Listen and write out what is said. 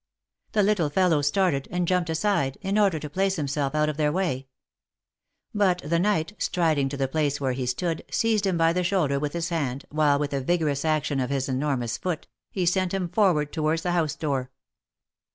The little fellow started, and jumped aside, in order to place himself out of their way ; but the knight, striding to the place where he stood, seized him by the shoulder with his hand, while with a vigorous action of his enormous foot, he sent him forward towards the hcuse door.